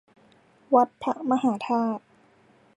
วัดพระมหาธาตุ